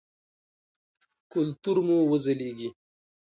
کلتور مو وځلیږي.